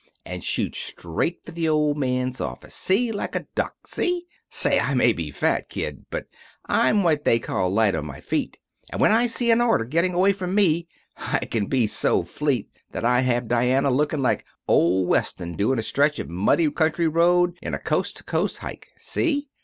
And shoot straight for the old man's office. See? Like a duck. See? Say, I may be fat, kid, but I'm what they call light on my feet, and when I see an order getting away from me I can be so fleet that I have Diana looking like old Weston doing a stretch of muddy country road in a coast to coast hike. See?